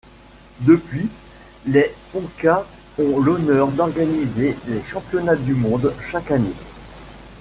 Depuis, les Poncas ont l'honneur d'organiser les championnats du monde chaque année.